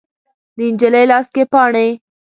د نجلۍ لاس کې پاڼې